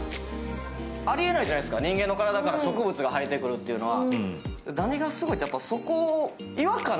あり得ないじゃないですか、人間の体から植物が生えてくるのは。